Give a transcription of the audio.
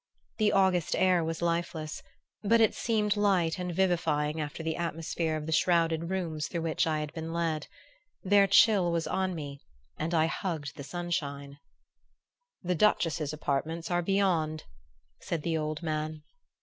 The August air was lifeless, but it seemed light and vivifying after the atmosphere of the shrouded rooms through which I had been led. Their chill was on me and I hugged the sunshine. "The Duchess's apartments are beyond," said the old man.